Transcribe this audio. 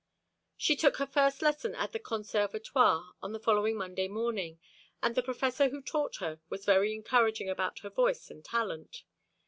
She took her first lesson at the Conservatoire on the following Monday morning, and the professor who taught her was very encouraging about her voice and talent.